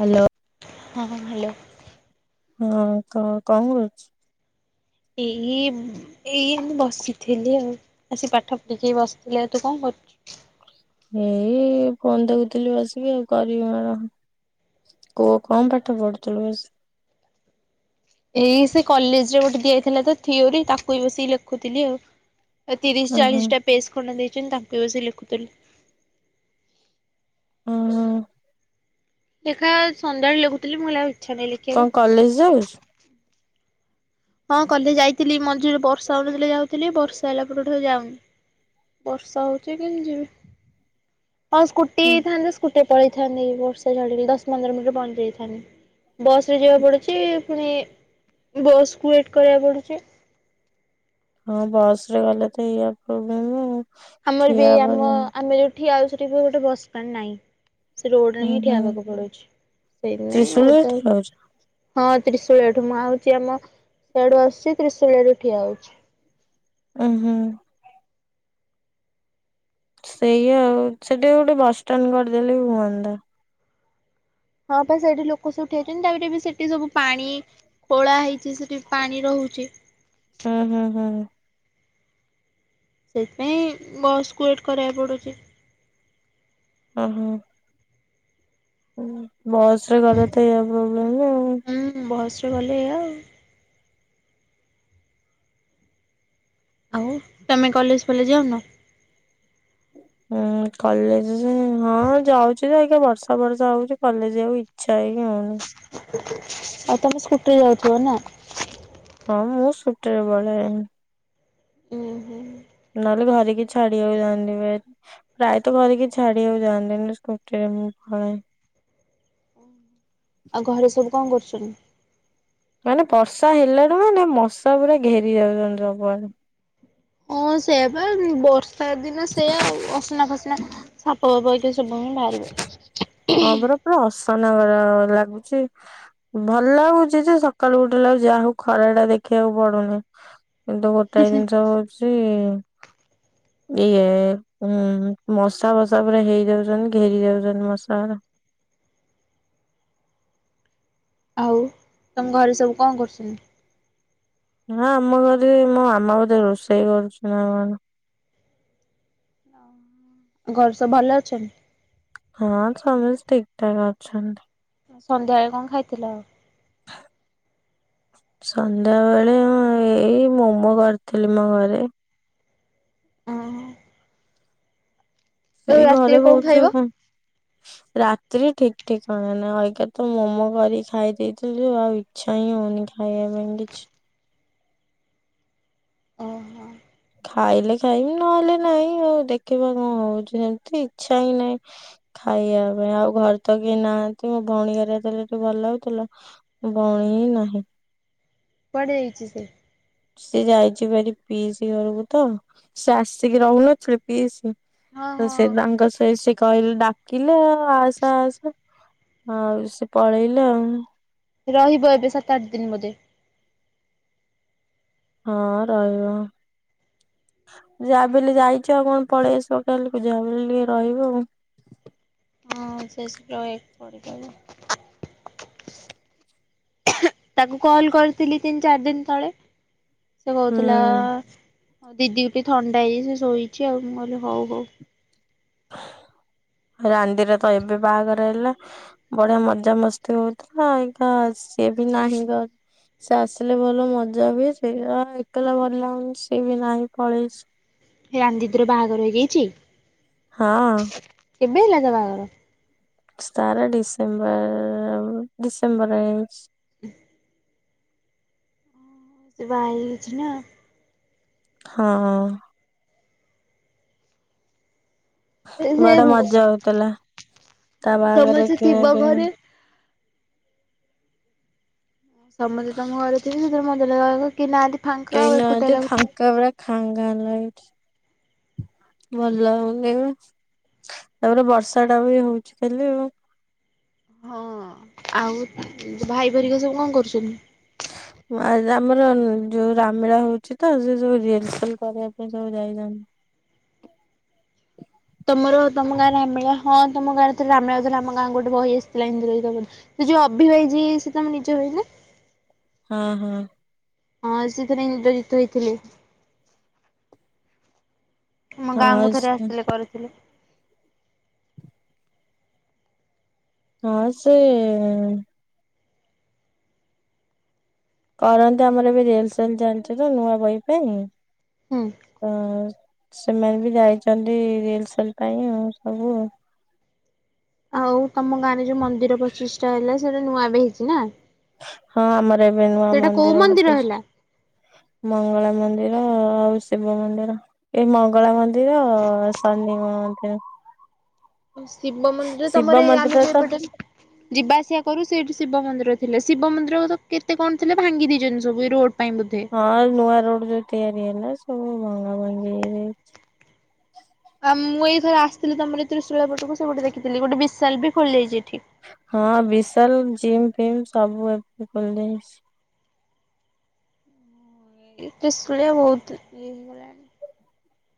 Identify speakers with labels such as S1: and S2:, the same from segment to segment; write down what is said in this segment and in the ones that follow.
S1: Hello.
S2: ହଁ ହଁ hello.
S1: ହଁ କ କଣ କରୁଚୁ।
S2: ଏଇ ଏଇ ଆମେ ବସିଥିଲି ଆଉ ଆସିିକ ପାଠ ପଢିକି ବସିଥିଲି ଆଉ ତୁ କଣ କରୁଛୁ?
S1: ଏଇ ଫୋନ ଦେଖୁଥିଲି ବସିବି ଆଉ କରିବି କଣ। କୁ କଣ ପାଠ ପଢୁଥିଲୁ ବ
S2: ଏଇ ସେ କଲେଜ ରେ ଗୋଟେ ଦିଆଯାଇଥିଲା ତ ଥିଓରି ତାକୁଇ ବସିକ ଲେଖୁଥିଲି ଆଉ। ଏ ତିରିଶ
S1: ଓହୋ
S2: ଚାଳିଶ ଟା ପେଜ ଖଣ୍ଡେ ଦେଇଛନ୍ତି ତାକୁଇ ବସିକି ଲେଖୁଥିଲି।
S1: ହୁଁ ହୁଁ।
S2: ଦେଖାଯାଉ ସନ୍ଧ୍ୟାାଏଳେ ଲେଖୁଥିଲି ମୁଁ କହିଲି ଆଉ ଇଚ୍ଛା ନାହିଁ ଲେ
S1: କଣ କଲେଜ ଯାଉଚୁ।
S2: ହଁ କଲେଜ ଯାଇଥିଲି ମଝିରେ ବର୍ଷା ହଉନଥିଲା ଯାଉଥିଲି ବର୍ଷା ହେଲା ପଟଠୁ ଆଉ ଯାଉନି। ବର୍ଷା ହଉଚି କେମିତି ଯିବି ହଁ ସ୍କୁଟ
S1: ହୁଁ
S2: ଫ୍ରି ଥାନ୍ତି ସ୍କୁଟିରେ ପଳେଇଥାନ୍ତି ବର୍ଷା ଛାଡିଲେ ଦଶ ପନ୍ଦର ମିନିଟରେ ପହଁଚି ଯାଇଥାନ୍ତି। ବସ ରେ ଯିବାକୁ ପଡୁଛି ପୁଣି ବସ୍କୁୁ ୱେଟ୍ କରିବାକୁ ପଡୁଛି।
S1: ହଁ ବସ ରେ ଗଲେ ତ ଏଇଆ ପ୍ରୋବ୍ଲେମ ଆଉ।
S2: ଆମର ବି
S1: ଠିଆ ହବା
S2: ଆମ ଆମେ ଯଉଠି ଠିଆ ହଉଚୁ ସେଠି ବି ଗୋଟେ ବସଷ୍ଟାଣ୍ଡ ନାଇଁ। ସେ ରୋଡ
S1: ଉଁ
S2: ହିଁ
S1: ହୁଁ
S2: ଠିଆହବାକୁ ପଡୁଚି ସେଇଥି ପାଇଁ
S1: ତ୍ରିଶୁଳିରେ
S2: ଓଦା
S1: ଠିଆ ହଉଛ
S2: ହଁ ତ୍ରିଶୁଳିଆଠୁ ମୁଁ ଆଉଛି ଆମ ସେଆଡୁ ଆସୁଛି ତ୍ରିଶୁଳିଆରେ ଠିଆ ହଉଛି।
S1: ଉୁଁ ହୁଁ। ସେଇଆ ଆଉ ସେଠି ଗୋଟେ ବସଷ୍ଟାଣ୍ଡ କରିଦେଲେ ବି ହୁଅନ୍ତା।
S2: ହଁ ପା ସେଇଠି ଲୋକ ସବୁ ଠିଆ ହେଇଛନ୍ତି ତାପରେ ବି ସେଠି ସବୁ ପାଣି ଖୋଳା ହେଇଚି ସେଠି ପାଣି ରହୁଚି।
S1: ହୁଁ ହୁଁ ହୁଁ।
S2: ସେଇଥିପାଇଁ ବସ୍କୁ ୱେଟ୍ କରିବାକୁ ପଡ଼ୁଛି।
S1: ଓ ହୋ। ବସ ରେ ଗଲେ ତ ଏଇଆ ପ୍ରୋବ୍ଲେମ ଆଉ।
S2: ହୁଁ ବହସ୍ର ଗଲେ ଏଇଆ ଆଉ। ଆଉ ତମେ କଲେଜ ପଲେଜ ଯାଉନ?
S1: ହୁଁ କଲେଜ ହଁ ଯାଉଚି ଜେ ଅଇକା ବର୍ଷା ଫର୍ଷା ହଉଚି କଲେଜ ଯିବାକୁ ଇଚ୍ଛା ହିଁ ହଉନି।
S2: ଆଉ ତମେ ସ୍କୁଟି ରେ ଯାଉଥିବ ନା?
S1: ହଁ ମୁଁ ସ୍କୁଟିରେ ପଳାଏ।
S2: ଉ ହୁଁ।
S1: ନହେଲେ ଘରେ କିଏ ଛାଡିିବାକୁ ଯାଆନ୍ତି [inaudible] ପ୍ରାୟତ ଘରେ କିଏ ଛାଡିବାକୁ ଯାଆନ୍ତି ନହେଲେ ସ୍କୁଟିରେ ମୁଁ ପଳାଏ।
S2: ଆଉ ଘରେ ସବୁ କଣ କରୁଛନ୍ତି?
S1: ମାନେ ବର୍ଷା ହେଲାଠୁ ମାନେ ମଶା ପୁରା ଘେରି ଯାଉଛନ୍ତି ସବୁଆଡେ।
S2: ହଁ ସେଇଆ ପା ବର୍ଷା ଦିନ ସେଇଆ ଆଉ ଅସନା ଫସନା ସାପ ଫାପ ହେଇ ସେ ସବୁ ହିଁ ବାହାରିବ।
S1: ହଁ ପରା ପୁରା ଅସନା ଭାରି ଲାଗୁଛି। ଭଲ ଲାଗୁଚି ଯେ ସକାଳୁ ଉଠିଲା ଏଳକୁ ଯାହା ହଉ ଖରା ଟା ଦେଖିବାକୁ ପଡୁନି। କିନ୍ତୁ ଗୋଟାଏ ଜିନିଷ ହଉଚି ଇଏ ଉଁ ମଶା ଫସା ପୁରା ହେଇ ଯାଉଛନ୍ତି ଘେରି ଯାଉଛନ୍ତି ମଶାଗୁରା।
S2: ଆଉ ତମ ଘରେ ସବୁ କଣ କରୁସନ୍ତି?
S1: ନା ଆମ ଘରେ ମୋ ମାମା ବୋଧେ ରୋଷେଇ କରୁଚି ନାକଣ।
S2: ଓ ଘରେ ସବୁ ଭଲ ଅଛନ୍ତି।
S1: ହଁ ସମସ୍ତ ଠିକଠାକ୍ ଅଛନ୍ତି।
S2: ସନ୍ଧ୍ୟାବେଳେ କଣ ଖାଇଥିଲ?
S1: ସନ୍ଧ୍ୟାବେଳେ [unintelligible] ଏଇ ମୋମୋ କରିଥିଲି ମ ଘରେ।
S2: ଓଁ।
S1: ସେ ଘରେ
S2: ରାତିରେ କଣ
S1: ବୋହୁଚୁ
S2: ଖାଇବ?
S1: କଁ। ରାତିିରେ ଠିକ୍ ଠିକ୍ କଣ ନା [unintelligible] ତ ମୋମୋ କରିକି ଖାଇ ଦେଇଥିଲୁ ଆଉ ଇଚ୍ଛା ହିଁ ହୋଉନି ଖା ଇବା ପାଇଁ କିଛି।
S2: ଓହୋ।
S1: ଖାଇଲେ ଖାଇବି ନହେଲେ ନାଇଁ ଆଉ ଦେଖିବା କଣ ହଉଛି ସେମିତି ଇଚ୍ଛା ହିଁ ନାହିଁ। ଖାଇବା ପାଇଁ ଆଉ ଘରେ ତ କେହି ନାହାନ୍ତି ମୋ ଭୋଉଣୀ ଘରେ ଯେତେବେଳେ [unintelligible] ଭଲ ହୋଉଥିଲା। ବୋଉଣି ନାହିଁ।
S2: କୁଆଡେ଼ ଯାଇଛି ସେ?
S1: ସି ଯାଇଛି ବାରି ପିଇସି ଘରକୁ ତ ସେ ଆସିକି ରହୁନଥିଲେ ପିଇସି।
S2: ହଁ
S1: ତ ସେ
S2: ହଁ
S1: ତାଙ୍କ ସହି ସେ କହିଲେ ଡା କିଲେ ଆସେ ଆସେ ଆଉ ସେ ପଳେଇଲା ଆଉ।
S2: ରହିବ ଏବେ ସାତ ଆଠ ଦିନ ବୋଧେ?
S1: ହଁ ରହିବ। ଯାହା ବି ହେଲେ ଯାଇଚି ଆଉ କଣ ପଳେଇ ଆସିବ ଯା ହେଲେ ବି ଯାହା ବି ହେଲେ ଟିକେ ରହିବ ଆଉ।
S2: ହଁ ସେ ଆସିକି ରହି ପଳେଇଲାଣି। ତାକୁ କଲ୍ କରିଥିଲି ତିନି ଚାରି ଦିନ ତଳେ ସେ କହୁଥିଲା
S1: ହୁଁ।
S2: ମୋ ଦିଦିକୁ ଟିକେ ଥଣ୍ଡା ହେଇ ଯାଇଛି ସେ ଶୋଇଛି ଆଉ ମୁଁ କହିଲି ହଉ ହଉ।
S1: ରାନି ଦେଇର ତ ଏବେ ବାହାଘର ହେଲା। ବଢ଼ିଆ ମଜାମସ୍ତି ହଉଥିବ ଏଇକା ସିଏ ବି ନାହିଁ ଘ ସେ ଆସିଲେ ଭଲ ମଜା ହୁଏ ସେ ବି ନାହିଁ ଏକେଲା ଭଲ ଲାଗୁନି ସେ ବି ନାହିଁ ପଳେଇଚି।
S2: ରାନ୍ ଦିଦି ର ବାହାଘର ହେଇଯାଇଛି?
S1: ହଁ।
S2: କେବେ ହେଲା ତା ବାହାଘର?
S1: ତାର ଡିସେମ୍ବର୍ ରେ ହବ ଡିସେମ୍ବର୍ ରେ ହେଇଛି।
S2: ହ ସେ ବାହା ହେଇ ଯାଇଚି ନା?
S1: ହଁ।
S2: ସେ
S1: ବଡ଼ ମଜା ହଉଥିଲା ତା ବାହାଘରେ
S2: ସମସ୍ତେ ଥିବ
S1: କିଣା କିିଣି।
S2: ଘରେ। ସମତେ ତମ ଘରେ ଥିଲେ ମନ୍ଦିର ଯାଆନ୍ତି କେହି ନାହାନ୍ତି ଫାଙ୍କ ଆଉ ଏକୁଟିଆ ଲାଗୁଥିବ।
S1: କା ବରା ଖା ଙ୍ଗା ଲାଗୁଛି। ଭଲ ଲାଗୁନି ଦେ [unintelligible] ତାପରେ ବର୍ଷା ଟା ବି ହୋଉଛି ଖାଲି ଆଉ।
S2: ହଁ ଆଉ ଭାଇ ଭେରିକା ସବୁ କଣ କରୁଛନ୍ତି?
S1: ହ ଓ ଆଜ୍ ଆମର ଯୋଉ ରାମ୍ ମେଳା ହୋଉଛି ତ ସେ ସବୁ ରିଅଲ୍ ସେଲ୍ କ କ [unintelligible] କ ସବୁ ଯାଇଛନ୍ତି।
S2: ତମର ତମ ଗାଁରେ ରାମ୍ ମେଳା ହଁ ତମ ଗାଁରେ ଯେତେବେଳ ରାମ୍ ମେଳା ହୋଉଥିଲା ଆମ ଗାଁକୁ ଗୋଟେ ବହି ଆସିଥିଲା ଇନ୍ଦ୍ରଜିତବଧ। ସେ ଯୋଉ ଅଭି ଭାଇ ଯିଏ ସେ ତମ ନିଜ ଭାଇ ନା।
S1: ହଁ ହଁ।
S2: ହଁ ସେଥିରେ ଇନ୍ଦ୍ରଜିତ ହେଇଥିଲେ। ଆମ
S1: ହଁ
S2: ଗାଁକୁ ଥରେ
S1: ସେ
S2: ଆସିଥିଲେ କରିଥିଲେ।
S1: ହଁ ସେ କରନ୍ତି ଆମର ଏବେ ରିଆଲ୍ ସେଲ୍ ଚାଲିଚି ତ ନୂଆ ବହି ପାଇଁ।
S2: ହୁଁ।
S1: ତ ସେମାନେ ବି ଯାଇଛନ୍ତି ରିଅଲ୍ ସେଲ୍ ପାଇଁ ଆଉ ସବୁ ଆଉ।
S2: ଆଉ ତମ ଗାଁ ରେ ଯୋଉ ମନ୍ଦିର ପଚିଶ୍ ଟା ହେଲା ସେଇଟା ନୂଆ ବି ହେଇଛି ନା?
S1: ହଁ ଆମର ଏବେ ନୂଆ
S2: ସେଇଟା କୋଉ
S1: ମନ୍ଦିର
S2: ହେଲା?
S1: [unintelligible] ମଙ୍ଗଳା ମନ୍ଦିର ଆଉ ଶିବ ମନ୍ଦିର ଏଇ ମଙ୍ଗଳା ମନ୍ଦ୍ ଦିର ସନି ମନ୍ଦିର।
S2: ଶିବ ମନ୍ଦିର
S1: ଶିବ
S2: ତମର ଏ ଆମେ
S1: ମନ୍ଦିର
S2: ଯୋଉ
S1: ତ
S2: ପଟେ ଯିବା ଆସିବା କରୁ ସେଠି ଶିବ ମନ୍ଦିର ଥିଲେ ଶିବ ମନ୍ଦିର ତ କେତେ କଣ ଥିଲା ଭାଙ୍ଗି ଦେଇଛନ୍ତି ସବୁ ରୋଡ। ପାଇଁ ବୋଧେ।
S1: ହଁ ନୂଆ ରୋଡ ଯୋଉ ତିଆରି ହେଲା ସବୁ ଭଙ୍ଗା ଭାଙ୍ଗି
S2: ଆଉ ମୁଁ ଏଇଥର ଆଥିଲି ତମର ତ୍ରିଶୂଳାପଟକୁ ସେ ପଟେ ଦେଖିଥିଲି ଗୋଟେ ବିଶାଲ ବି ଖୋଲି ଯାଇଛି ଏଠି।
S1: ହଁ ବିଶାଲ ଜିମ୍ ଫିମ୍ ସବୁ ଏବେ ଖୋଲିଯାଇଛି।
S2: ଏ ତୀସୁଳିଆ ବହୁତ ଇଏ ହେଇଗଲାଣି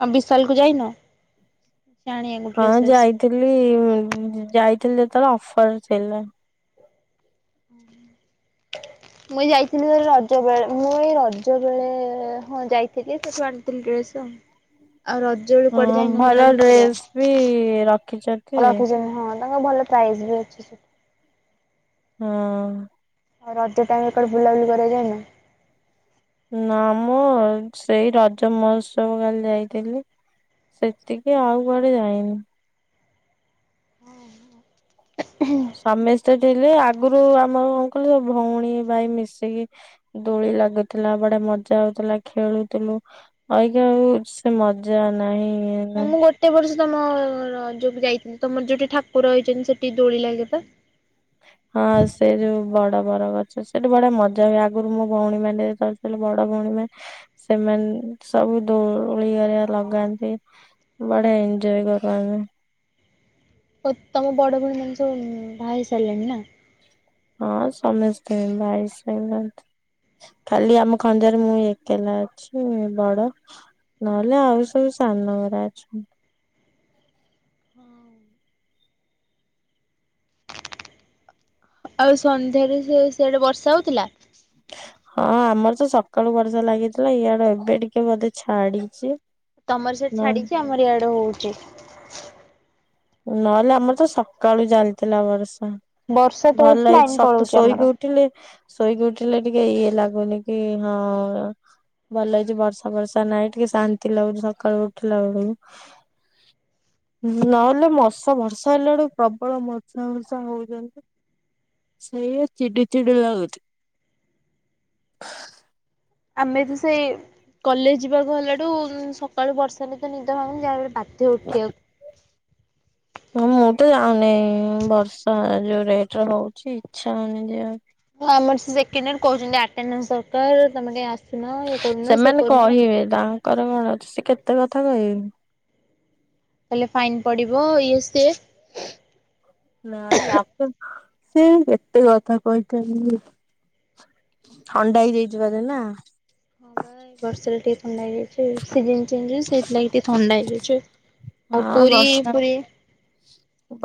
S2: ଆଉ ବିଶାଲ କୁ ଯାଇନ? ଶାଣିଆ
S1: ହଁ ଯାଇଥିଲି ଯାଇଥିଲି ଯେତେବଳେ ଅଫର ଥିଲା। [inaudible]
S2: ମୁଇଁ ଯାଇଥିଲି ରଜ ବଳେ ମୁଁ ଏଇ ରଜ ବଳେ ହଁ ଯାଇଥିଲି ସେଠ ଆଣିଥିଲି ଡ୍ରେସ ଆଉ। ଆଉ ରଜ ବେଳେ
S1: ହଁ
S2: କୁଆଡେଯାଇନ
S1: ଭଲ
S2: ବୁଲାବୁଲି କରିବା
S1: ଡ୍ରେସ୍ ବି ରଖିଛନ୍ତି
S2: [unintelligible] ହଁ। ତାଙ୍କ ଭଲ ପ୍ରାଇସ୍ ବି ଅଛି ସେଠି।
S1: ହଁ।
S2: ରଜ ଟାଇମ ରେ କୁଆଡେ ବୁଲାବୁଲି କରିବାକୁ ଜାଇନ?
S1: ନା ମୁଁ ସେଇ ରଜ ମହୋତ୍ସବ କାଲି ଯାଇଥିଲି। ସେତିକି ଆଉ କୁଆଡେ ଯାଇନି।
S2: ହୁଁ।
S1: ସମେସ୍ତେ ଥିଲେ ଆଗରୁ ଆମ କଣ କହିଲ ଭଉଣୀ ଭାଇ ମିଶିକି ଦୋଳି ଲାଗୁଥିଲା ବଢିଆ ମଜା ହଉଥିଲା ଖେଳୁଥିଲୁ। [unintelligible] ଆଉ ସେ ମଜା ନାହିଁ।
S2: ହଁ
S1: ନାହିଁ।
S2: ମୁଁ ଗୋଟେ ବର୍ଷ ତମ ଯୋଉ ବି ଯାଇଥିଲ ତମର ଯୋଉଠି ଠାକୁର ହେଇଛନ୍ତି ସେଠି ଦୋଳି ଲାଗେପା।
S1: ହଁ ସେ ଯୋଉ ବଡ ବର ଗଛ ସେଠି ବଢିଆ ମଜା ହୁଏ ଆଗରୁ ମୋ ଭଉଣୀ ମାନେ ବଡ ଭଉଣୀ ମ ସେମାନେ ସବୁ ଦୋଳି ହେରିକା ଲଗାନ୍ତି। ବଢିଆ ଏଞ୍ଜୟ୍ କରମ।
S2: ମ ତମ ବଡ ଭଉଣୀ ମାନେ ସବୁ ବାହା ହେଇସାରିଲାଣି ନା।
S1: ହଁ ସମସ୍ତେ ବାହା ହେଇ ସାରିଲେଣି। ଖାଲି ଆମ ଖଞ୍ଜାରେ ମୁଁ ଏକଲା ଅଛି ବଡ। ନହେଲେ ଆଉ ସବୁ ସାନ ଗୁରା ଅଛନ୍ତି।
S2: ହଁ। ଆଉ ସନ୍ଧ୍ୟାରେ ସେ ସିଆଡେ ବର୍ଷା ହଉଥିଲା?
S1: ହଁ ଆମର ତ ସକାଳୁ ବର୍ଷା ଲାଗିଥିଲା ଇଆଡେ ଏବେ ଟିକେ ବୋଧେ ଛାଡିଛି।
S2: ତମର ସେଠି
S1: ନ
S2: ଛାଡିକି ଆମର ଇଆଡେ ହଉଛି।
S1: ନହେଲେ ଆମର ତ ସକାଳୁ ଚାଲିଥିଲା ବର୍ଷା
S2: ବର୍ଷା ତ ହଉଛି
S1: ଭଲ
S2: ଲାଇନ
S1: ହେଇଛି
S2: ପଳଉଛି ଆମର।
S1: ଶୋଇକି ଉ ଉଠିଲେ ଶୋଇକି ଉଠିଲେ ଟିକେ ଇଏ ଲାଗୁନି କି ହଁ। ଭଲ ହେଇଛି ବର୍ଷା ବର୍ଷା ନାହିଁ ଟିକେ ଶାନ୍ତି ଲାଗୁଛି ସକାଳୁ ଉଠିଲ ବେଳକୁ ନଅ ହେଲେ ମଷା ବର୍ଷା ହେଲା ବେଳକୁ ପ୍ରବଳ ମର୍ଷା ବର୍ଷା ହଉଛନ୍ତି। ସେୟା ଚିଡି ଚିଡି ଲାଗୁଛି।
S2: ଆମେ ତ ସେଇ କଲେଜ ଯିବାକୁ ହେଲାଠୁ ସକାଳୁ ବର୍ଷା ନେଇ ତ ନିଦ ଭାଙ୍ଗୁନି ଯାହା ବି ବାଧ୍ୟ ଉଠିଆକୁ।
S1: ହଁ ମୁଁ ତ ଯାଉନି ବର୍ଷା ଯୋଉ ରେଟରେ ହଉଛି ଇଚ୍ଛା ହଉନି ଯିବାକୁ।
S2: ହଁ ଆମର ସେକେଣ୍ଡ ୟର କହୁଛନ୍ତି ଆଟେଣ୍ଡନସ ଦରକାର ତମେ କାଇଁ ଆସୁନ ଇଏ କରୁନ ସେ କରୁନ।
S1: ହେ ତା କର କଣ ଅଛି ସେ କେତେ କଥା କହିବେ।
S2: ତାହଲେ ଫାଇନ୍ ପଡ଼ିବ ଇଏ ସେ
S1: ନାଇଁ ଲାପଟପ୍ ସେ କେତେ କଥା କହିଛନ୍ତି। ଥଣ୍ଡା ହେଇଯାଇଛିି ବୋଧେ ନାଁ?
S2: ହଁ ବା ଏଇ ବର୍ଷା ଟିକେ ଥଣ୍ଡା ହେଇଯାଉଛି ସିଜନ ଚେଞ୍ଜ ସେଇଥିଲାଗି ଟିକେ ଥଣ୍ଡା ହେଇଯାଉଛି। ଆଉ
S1: ହଁ
S2: ପୁରୀ
S1: ବର୍ଷା
S2: ପୁରୀ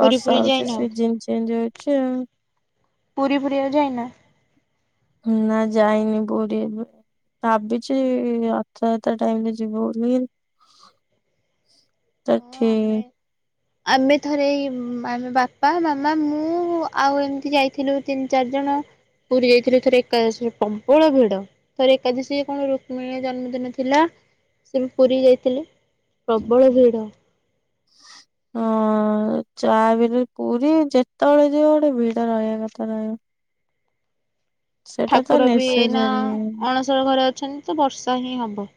S2: ପୁରୀ ପୁରୀ
S1: ହଉଛି
S2: ଯାଇନ
S1: ସିଜନ ଚେଞ୍ଜ ହଇଛି ଆଉ।
S2: ପୁରୀ ପୁରୀିବାକୁ ଯାଇନା?
S1: ନା ଯାଇନି ପୁରୀ। ଭାବିଛି ରଥଯାତ୍ରା ଟାଇମ ରେ ଯିବୁ ବୋଲି। ତ
S2: ହଁ
S1: ଠି
S2: ଆମେ ଆମେ ଥରେ ଏଇ ଆମେ ବାପା ମାମା ମୁଁ ଆଉ ଏମିତି ଯାଇଥିଲୁ। ତିନି ଚାରି ଜଣ ପୁରୀ ଯାଇଥିଲୁ ଥରେ ଏକାଦଶରେ ପ୍ରବଳ ଭିଡ। ଥର ଏକାଦଶୀ କଣ ରୁକ୍ମିଣୀ ଜନ୍ମଦିନ ଥିଲା ସେ ପୁରୀ ଯାଇଥିଲି। ପ୍ରବଳ ଭିଡ଼?
S1: ହଁ। ଆଉ ଚା ବିରେ ପୁରୀ ଯେତେବେଳେ ଯିବ ଗୋଟେ ଭିଡ଼ ରହିବା କଥା ରହିବ। ସେଇଟା ତ
S2: ଠାକୁର ବି ଏନା
S1: ନେସେସରି।
S2: ଅଣସର ଘରେ ଅଛନ୍ତି ତ ବର୍ଷା ହିଁ ହବ।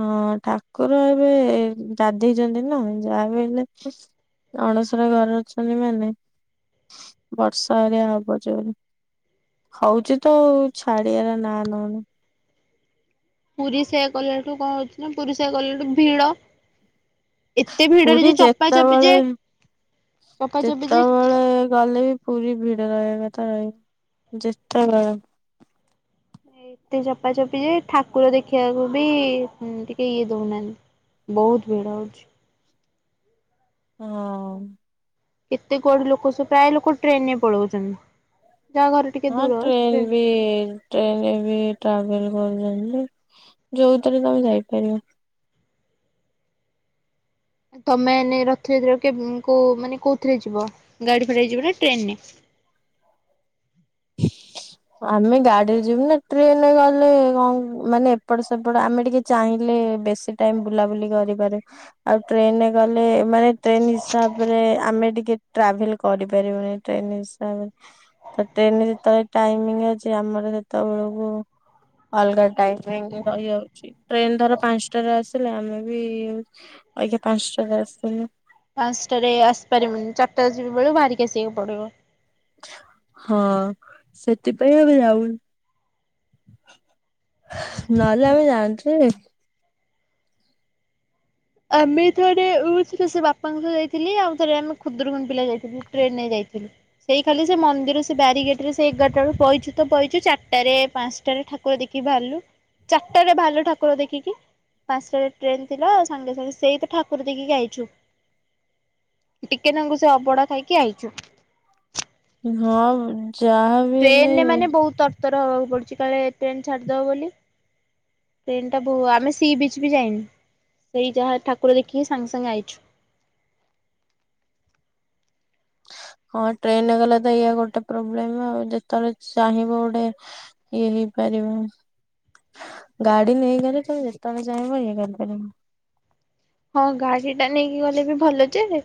S1: ହଁ ଠାକୁର ଏବେ ଯାଧେଇଛନ୍ତି ନା ଯାହାବି ହେଲେ ଅଣସର ଘରେ ଅଛନ୍ତି ମାନେ ବର୍ଷା ରେ ହବ ଜୋରେ। ହଉଛି ତ ଛାଡିବାର ନା ନଉନି।
S2: ପୁରୀ ସେଆ କଲାଠୁ କଣ ଅଉଛି ନା ପୁରୀ ସେଆ କଲାଠୁ ଭିଡ। ଏତେ ଭିଡରେ
S1: ପୁରୀ
S2: ଯେ ଚପା ଚପି
S1: ଯେତେବେଳେ
S2: ଯେ ଚପା ଚପି ଯେ
S1: ଯେତେବେଳେ ଗଲେ ବି ପୁରୀ ଭିଡ଼ ଲାଗେଗ ତାର ଯେଶଟ
S2: ଏତେ ଚପା ଚପି ଯେ ଠାକୁର ଦେଖିବାକୁ ବି ଟିକେ ଇଏ ଦଉନାହାନ୍ତି। ବହୁତ ଭିଡ଼ ହେଉଛି।
S1: ହଁ।
S2: କେତେ ଗଡି ଲୋକ ସବୁ ପ୍ରାୟ ଲୋକ ଟ୍ରେନ ରେ ପଳଉଛନ୍ତି ଯାହା ଘରେ
S1: ହଁ ଟ୍ରେଲୱ ଟ୍ରେନରେ ବି ଟ୍ରାଭେଲ କରୁଛନ୍ତି ଯୋଉଥିରେ ତମେ ଯାଇପାରିବ
S2: ତମେ ଏ ରଥଯାତ୍ରୀା କେ କ ମାନେ କୋଉଥିରେ ଯିବ ଗାଡି ଫଡା ଯିବ ନା ଟ୍ରେନରେ
S1: [inaudible] ଆମେ ଗାଡିରେ ଯିବୁ ନା ଟ୍ରେନରେ ଗଲେ କଣ ମାନେ ଏପଟ ସେପଟ ଆମେ ଟିକେ ଚାହିଁଲେ ବେଶୀ ଟାଇମ ବୁଲାବୁଲି କରିପାରେ ଆଉ ଟ୍ରେନରେ ଗଲେ ମାନେ ଟ୍ରେନ ହିସାବରେ ଆମେ ଟିକେ ଟ୍ରାଭେଲ କରିପାରିବୁନ ଟ୍ରେନ ହିସାବରେ ଟ୍ରେନ ରେ ଯେତେବେଳେ ଟାଇମିଙ୍ଗ ଅଛି ଆମର ସେତେବେଳକୁ ଅଲଗା ଟାଇମ ରହିଯାଉଛି ଟ୍ରେନ ଧର ପାଞ୍ଚଟାରେ ଆସିଲେ ଆମେ ବି ଆଜ୍ଞା ପାଞ୍ଚଟାରେ ଆସିଥିଲି।
S2: ପାଞ୍ଚଟାରେ ଆସିପାରିବନି ଚାରିଟା ଆସିବ ବେଳକୁ ବାହାରିକି ଆସିବାକୁ ପଡିବ।
S1: ହଁ ସେଥିପାଇଁ ଆବେ ଯାଉନୁ। ନହେଲେ ଆମେ ଯାଆନ୍ତୁ।
S2: ଆମେ ଥରେ ସେ ବାପାଙ୍କ ସହ ଯାଇଥିଲି ଆଉ ଥରେ ଆମେ ଖୁଦୁରୁକୁଣୀ ପିଲା ଯାଇଥିଲୁ ଟ୍ରେନ ରେ ଯାଇଥିଲୁ। ସେଇ ଖାଲି ସେ ମନ୍ଦିର ସେ ବାରିଗେଟ ରେ ସେ ଏଗାରଟା ବଳୁ ପଇଛୁ ତ ପଇଚୁ ଚାରିଟାରେ ପାଞ୍ଚଟାରେ ଠାକୁର ଦେଖିକି ବାହାରିଲୁ ଚାରିଟାରେ ବାହାରିଲୁ ଠାକୁର ଦେଖିକି ପାଞ୍ଚଟାରେ ଟ୍ରେନ ଥିଲା ସାଙ୍ଗେ ସାଙ୍ଗେ ସେଇ ତ ଠାକୁର ଦେଇକି ଆଇଛୁ। ଟିକେ ନାଗୁ ସେ ଅବଡ଼ା ଖାଇକି ଆଇଛୁ।
S1: ହଁ ଯାହା
S2: ଟ୍ରେନରେ ମାନେ ବହୁତ ତରତର ହବାକୁ ପଡୁଛି କାଳେ ଟ୍ରେନ ଛାଡ଼ିଦେବ ବୋଲି। ଟ୍ରେନ ଟା ବହୁ ଆମେ ସି ବିଚ ବି ଯାଇନି ସେଇ ଯାହା ଠାକୁର ଦେଖିକି ସାଙ୍ଗେ ସାଙ୍ଗେ ଆଇଛୁ।
S1: ହଁ ଟ୍ରେନ ଗଲେ ତ ଏଇଆ ଗୋଟେ ପ୍ରୋବ୍ଲେମ ଆଉ ଯେତେବେଳେ ଚାହିଁବ ଗୋଟେ ଇଏ ହେଇପାରିବ। ଗାଡି ନେଇକଲେ ତମ ଯେତେବେଳେ ଚାହିଁବ ଇଏ କରିପାରିବ।
S2: ହଁ ଗାଡି ଟା ନେଇକି ଗଲେ ବି ଭଲ ଯେ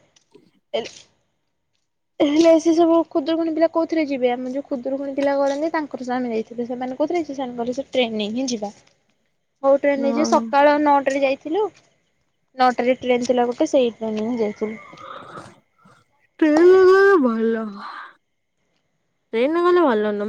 S2: ହେଲେ ସେ ସବୁ ଖୁଦୁକୁଣୀ ପିଲ କୋଉଥିରେ ଯିବେ ଆମ ଯୋଉୁଦରକୁଣୀ ପିଲା ଗ ନାନ୍ତି ତାଙ୍କର ସା ଆେ ଯାଇେ ତେବେ ସେମାନେ କହୁଥିଲେ ସେମାନେ କହଲେ ସେ ଟ୍ରେନ ନେଇ ହିଁ ଯିବା। କୋଉ ଟ୍ରେନ୍ ଯେ
S1: ହଁ
S2: ସକାଳ ନଅଟାରେ ଯାଇଥିଲୁ? ନଅଟାରେ ଟ୍ରେନ୍ ଥିଲା ଗୋଟେ ସେଇ ଟ୍ରେନ୍ ରେ ହିଁ ଯାଇଥିଲି।
S1: ଟ୍ରେନ୍ ରେ ଗଲେ ଭଲ। ଟ୍ରେନ୍ ର ଗଲେ ଭଲ ଲ ମା